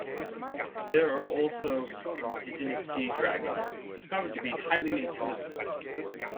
There are also indigenous sea dragons, discovered to be highly intelligent.